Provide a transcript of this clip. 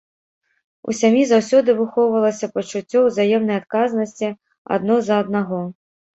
У сям'і заўсёды выхоўвалася пачуццё ўзаемнай адказнасці адно за аднаго.